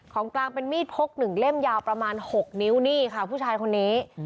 ของกลางเป็นมีดพก๑เล่มยาวประมาณ๖นิ้วนี่ค่ะผู้ชายคนนี้